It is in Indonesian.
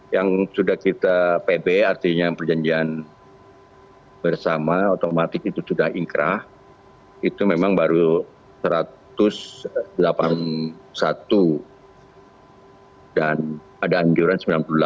yang sudah kita pb artinya perjanjian bersama otomatis itu sudah ingkrah itu memang baru satu ratus delapan puluh satu dan ada anjuran sembilan puluh delapan